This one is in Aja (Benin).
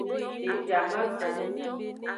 Devi amaton.